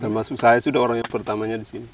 termasuk saya sudah orang yang pertamanya di sini